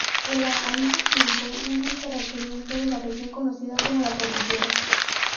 Era, al mismo tiempo, un gran terrateniente de la región conocida como la Cordillera.